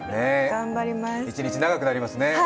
一日長くなりますね。